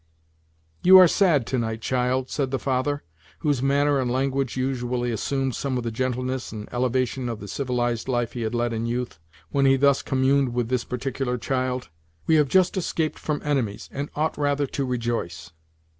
"You are sad to night, child," said the father, whose manner and language usually assumed some of the gentleness and elevation of the civilized life he had led in youth, when he thus communed with this particular child; "we have just escaped from enemies, and ought rather to rejoice."